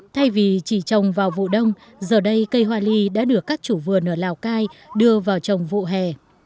thay vì chỉ trồng vào vụ đông giờ đây cây hoa ly đã được các chủ vườn ở lào cai đưa vào trồng vụ hè